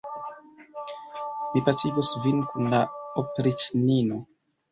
Mi pacigos vin kun la opriĉnino.